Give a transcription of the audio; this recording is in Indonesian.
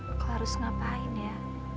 aku harus ngapain ya